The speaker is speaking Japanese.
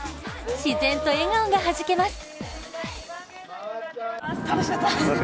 自然と笑顔がはじけます。